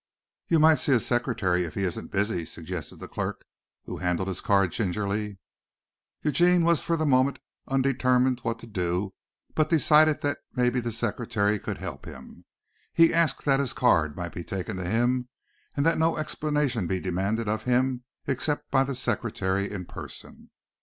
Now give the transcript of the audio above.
"You might see his secretary if he isn't busy," suggested the clerk who handled his card gingerly. Eugene was for the moment undetermined what to do but decided that maybe the secretary could help him. He asked that his card might be taken to him and that no explanation be demanded of him except by the secretary in person.